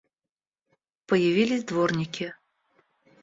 Появились дворники.